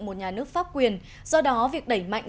một nhà nước pháp quyền do đó việc đẩy mạnh